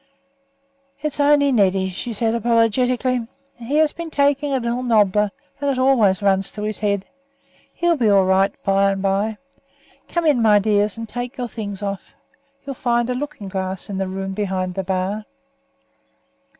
"It's only Neddy," she said apologetically; "he has been taking a little nobbler, and it always runs to his head. He'll be all right by and by. Come in my dears, and take your things off. You'll find a looking glass in the room behind the bar."